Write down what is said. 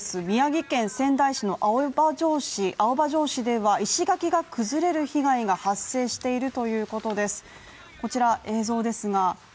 宮城県仙台市の青葉城址では石垣が崩れる被害が発生しているということです。